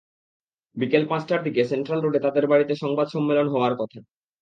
বিকেল পাঁচটার দিকে সেন্ট্রাল রোডে তাঁদের বাড়িতে সংবদ সম্মেলন হওয়ার কথা।